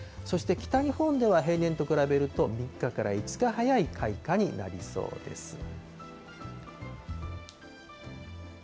そして北日本では平年と比べると３日から５日早い開花になりそうです。